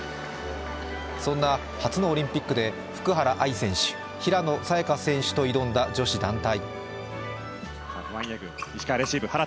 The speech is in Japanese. そんな初のオリンピックで福原愛選手、平野早矢香選手と共に挑んだ女子団体。